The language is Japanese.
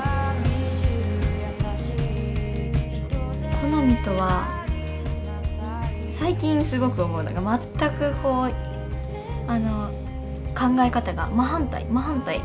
好とは最近すごく思うのが全くこうあの考え方が真反対真反対。